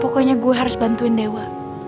pokoknya gue harus bantuin dewa